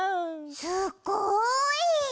すっごい！